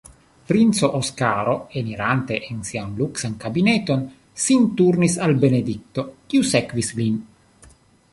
Princo Oskaro, enirante en sian luksan kabineton, sin turnis al Benedikto, kiu sekvis lin.